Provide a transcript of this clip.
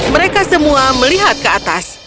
mereka semua melihat ke atas